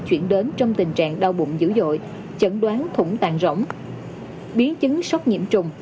chuyển đến trong tình trạng đau bụng dữ dội chẩn đoán thủng tàn rỗng biến chứng sốc nhiễm trùng